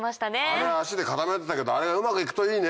あれ足で固めるってやってたけどあれうまくいくといいね。